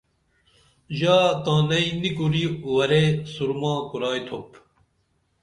ژا تانئی نی کُری ورے سورما کُرائی تُھوپ